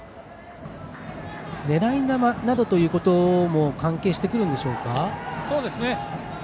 狙い球などということも関係してくるんでしょうか。